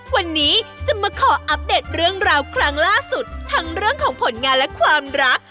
วันนี้จะมาขออัปเดตเรื่องราวครั้งล่าสุดทั้งเรื่องของผลงานและความรัก